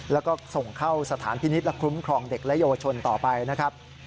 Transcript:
แล้วก็ส่งเข้าสถานพินิษฐ์และคุ้มครองเด็กและเยาวชนต่อไปนะครับ